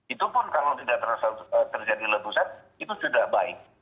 itu pun kalau tidak terjadi letusan itu sudah baik